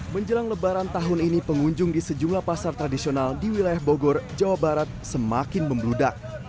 menjelang lebaran tahun ini pengunjung di sejumlah pasar tradisional di wilayah bogor jawa barat semakin membludak